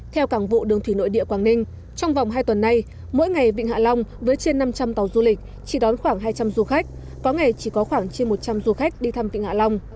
theo cảng vụ đường thủy nội địa quảng ninh trong vòng hai tuần nay mỗi ngày vịnh hạ long với trên năm trăm linh tàu du lịch chỉ đón khoảng hai trăm linh du khách có ngày chỉ có khoảng trên một trăm linh du khách đi thăm vịnh hạ long